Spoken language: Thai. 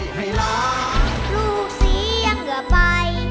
ลูกสียังเหงื่อไป